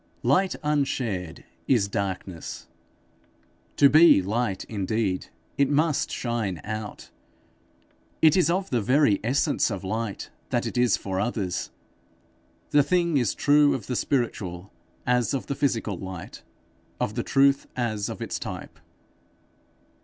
Light unshared is darkness. To be light indeed, it must shine out. It is of the very essence of light, that it is for others. The thing is true of the spiritual as of the physical light of the truth as of its type.